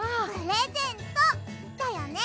プレゼントだよね？